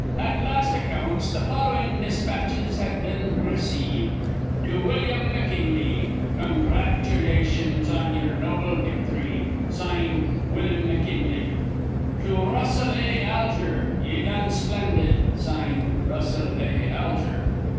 At last accounts th' followin' dispatches had been received: 'To Willum McKinley: Congratulations on ye'er noble victhry. (Signed) Willum McKinley.' 'To Russell A. Alger: Ye done splendid. (Signed) Russell A. Alger.'